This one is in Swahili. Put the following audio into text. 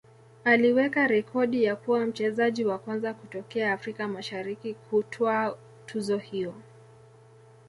aliweka rekodi ya kuwa mchezaji wa kwanza kutokea Afrika Mashariki kutwaa tuzo hiyo